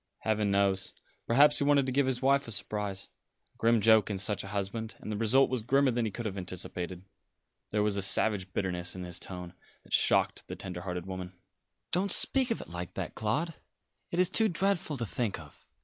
"Heaven knows. Perhaps he wanted to give his wife a surprise a grim joke in such a husband; and the result was grimmer than he could have anticipated." There was a savage bitterness in his tone that shocked the tender hearted woman. "Don't speak of it like that, Claude. It is too dreadful to think of.